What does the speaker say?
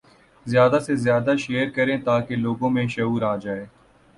زیادہ سے زیادہ شیئر کریں تاکہ لوگوں میں شعور آجائے